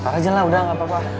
tarah aja lah udah gak apa apa